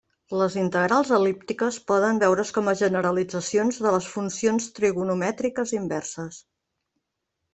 Les integrals el·líptiques poden veure's com a generalitzacions de les funcions trigonomètriques inverses.